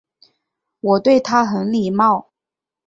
我对他很礼貌